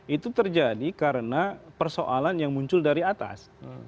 itu terjadi karena persoalan yang muncul dari atas